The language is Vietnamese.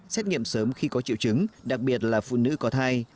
xét nghiệm sớm khi có triệu chứng đặc biệt là phụ nữ có thai